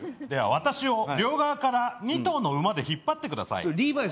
では私を両側から２頭の馬で引っ張ってください。